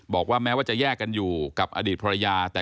บอกว่าแม้ว่าจะแยกกันอยู่กับอดีตภรรยา